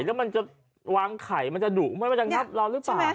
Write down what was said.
แล้วมันจะวางไข่มันจะดุไหมมันจะงัดเราหรือเปล่า